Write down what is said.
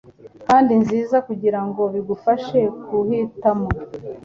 kandi nziza kugirango bigufashe guhitamo